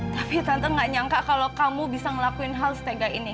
tapi tante gak nyangka kalau kamu bisa ngelakuin hal setega ini